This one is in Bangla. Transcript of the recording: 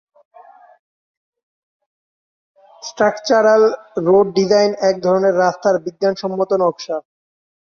স্ট্রাকচারাল রোড ডিজাইন এক ধরনের রাস্তার বিজ্ঞানসম্মত নকশা।